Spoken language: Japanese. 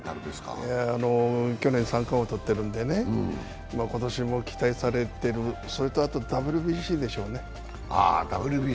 去年、三冠王とってるんで今年も期待されてる、それとあと、ＷＢＣでしょうね。